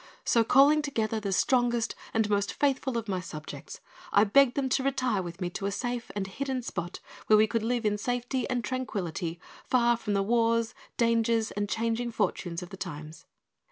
So, calling together the strongest and most faithful of my subjects, I begged them to retire with me to a safe and hidden spot where we could live in safety and tranquillity far from the wars, dangers, and changing fortunes of the times.